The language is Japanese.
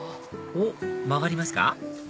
おっ曲がりますか